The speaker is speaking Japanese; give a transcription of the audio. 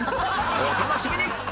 お楽しみに！